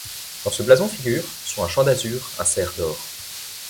Dans ce blason figure, sur un champ d'azur, un cerf d'or.